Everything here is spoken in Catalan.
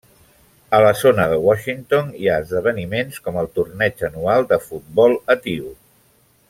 A la zona de Washington hi ha esdeveniments com el torneig anual de futbol etíop.